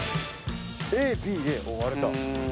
ＡＢＡ割れた。